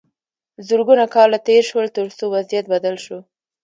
زرګونه کاله تیر شول تر څو وضعیت بدل شو.